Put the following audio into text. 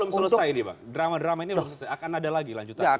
artinya belum selesai ini bang drama drama ini belum selesai akan ada lagi lanjut lagi